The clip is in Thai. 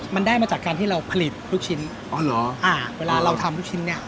มันได้มาจากการที่เราผลิตลูกชิ้นอ๋อเหรออ่าเวลาเราทำลูกชิ้นเนี้ย